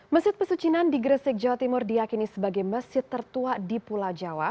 masjid pesucinan di gresik jawa timur diakini sebagai masjid tertua di pulau jawa